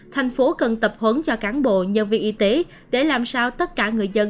thành phố cần tập huấn cho cán bộ nhân viên y tế để làm sao tất cả người dân